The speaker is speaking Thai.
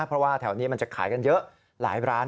เพราะว่าแถวนี้มันจะขายกันเยอะหลายร้าน